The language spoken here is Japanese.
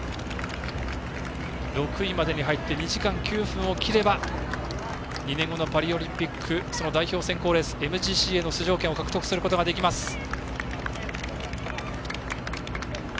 ６位までに入って２時間９分を切れば２年後のパリオリンピック代表選考レースＭＧＣへの出場権を獲得することができます。